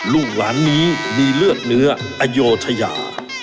ลูกหลานนี้มีเลือดเนื้ออโยธยา